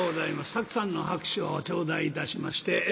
たくさんの拍手を頂戴いたしまして。